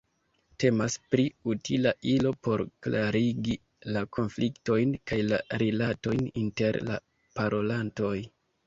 Temas pri utila ilo por klarigi la konfliktojn kaj la rilatojn inter la parolantoj.